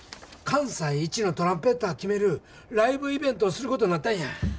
関西一のトランペッター決めるライブイベントをすることになったんや。